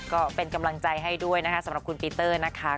ก็เป็นกำลังใจให้ด้วยนะคะสำหรับคุณปีเตอร์นะคะ